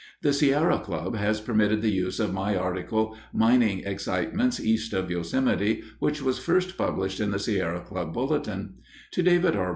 The Sierra Club has permitted the use of my article, "Mining Excitements East of Yosemite," which was first published in the Sierra Club Bulletin. To David R.